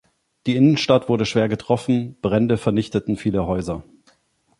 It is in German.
Die Innenstadt wurde schwer getroffen, Brände vernichteten viele Häuser.